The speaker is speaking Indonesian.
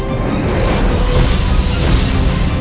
aku mau kesana